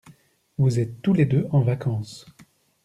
Vous êtes tous les deux en vacances.